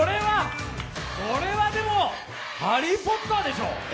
これはでも、「ハリー・ポッター」でしょ？